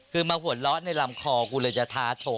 คือมาหัวเราะในลำคอกูเลยจะท้าโชว์